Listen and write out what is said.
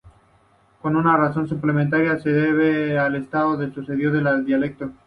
Una razón suplementaria se debe al estatuto concedido al dialecto.